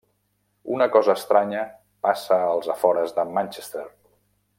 Una cosa estranya passa als afores de Manchester.